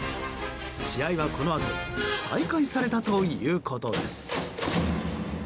試合はこのあと再開されたということです。